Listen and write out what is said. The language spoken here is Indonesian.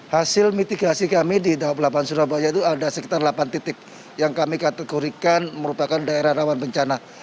hasil mitigasi kami di dua puluh delapan surabaya itu ada sekitar delapan titik yang kami kategorikan merupakan daerah rawan bencana